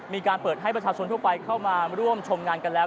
มีการเปิดให้ประชาชนทั่วไปเข้ามาร่วมชมงานกันแล้ว